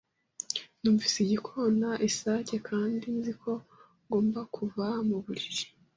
Numvise igikona isake kandi nzi ko ngomba kuva muburiri.